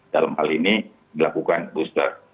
dalam hal ini melakukan booster